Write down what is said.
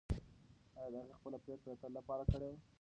ایا هغې خپله پرېکړه د تل لپاره کړې وه؟